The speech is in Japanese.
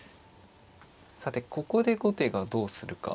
さてここで後手がどうするか。